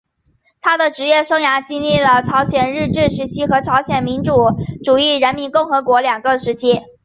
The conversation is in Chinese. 他的职业生涯历经了朝鲜日治时期和朝鲜民主主义人民共和国两个时期。